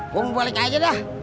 bung balik aja dah